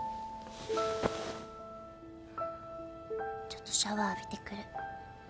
ちょっとシャワー浴びてくる。